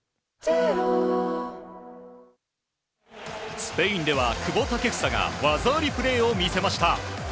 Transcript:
スペインでは久保建英が技ありプレーを見せました。